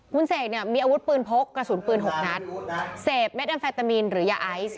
คุณเสกเนี่ยมีอาวุธปืนพกกระสุนปืนหกนัดเสพเม็ดแอมเฟตามีนหรือยาไอซ์